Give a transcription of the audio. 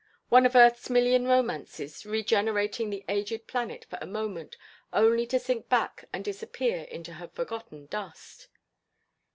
One of Earth's million romances, regenerating the aged planet for a moment, only to sink back and disappear into her forgotten dust.